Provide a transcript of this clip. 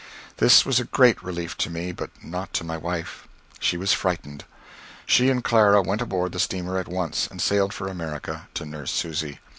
This was a great relief to me, but not to my wife. She was frightened. She and Clara went aboard the steamer at once and sailed for America, to nurse Susy.